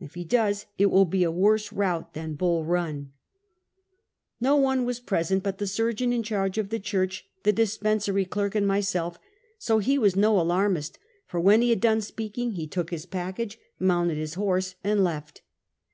If he does, it will be a worse rout than Bull Run." 1^0 one was present but the surgeon in charge of the church, the dispensary clerk, and myself; so he was no alarmist, for when he had done speaking, he took his package, mounted his horse and left.